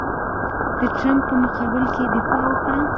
د ټرمپ په مقابل کې یې دفاع وکړه.